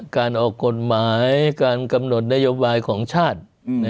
การออกกฎหมายการกำหนดนโยบายของชาติ